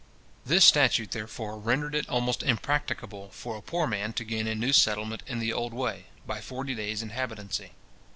This statute, therefore, rendered it almost impracticable for a poor man to gain a new settlement in the old way, by forty days inhabitancy.